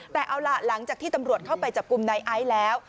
แต่เอาล่ะหลังจากที่ตำรวจเข้าไปจับกลุ่มนายไอซ์แล้ว